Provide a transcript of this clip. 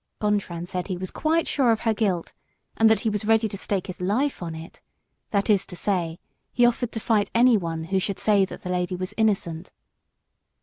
Gontran said he was quite sure of her guilt, and that he was ready to stake his life on it, that is to say, he offered to fight anyone who should say that the lady was innocent.